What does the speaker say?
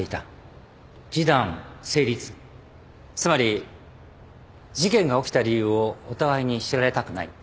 示談成立つまり事件が起きた理由をお互いに知られたくない。